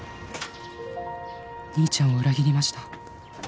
「兄ちゃんを裏切りました」